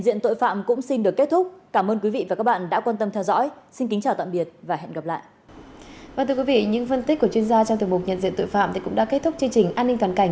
diện tội phạm cũng xin được kết thúc cảm ơn quý vị và các bạn đã quan tâm theo dõi xin kính chào